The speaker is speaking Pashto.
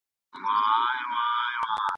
موږ پوه شو چې درواغو ته تسلیم نه شو.